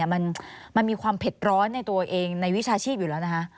มันมีความเผ็ดร้อนในตัวเองในวิชาชีพอยู่แล้วนะคะ